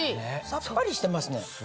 さっぱりしてますね。